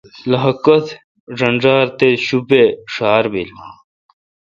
لخہ کتہ ݫنݫار تے شوپے تے ڄھار بیل۔